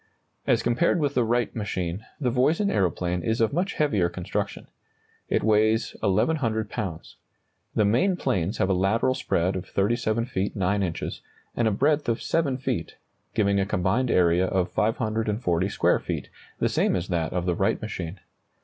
As compared with the Wright machine, the Voisin aeroplane is of much heavier construction. It weighs 1,100 pounds. The main planes have a lateral spread of 37 feet 9 inches, and a breadth of 7 feet, giving a combined area of 540 square feet, the same as that of the Wright machine.